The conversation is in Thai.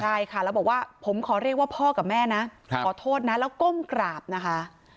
ใช่ค่ะแล้วบอกว่าผมขอเรียกว่าพ่อกับแม่นะขอโทษนะแล้วก้มกราบนะคะ